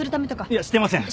いやしてません。